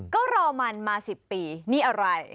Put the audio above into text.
ก็รอมานมาสิบปีเนี้ยอะไร